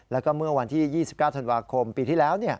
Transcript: แล้วก็เมื่อวันที่๒๙ธันวาคมปีที่แล้ว